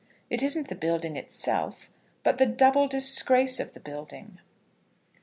It isn't the building itself, but the double disgrace of the building."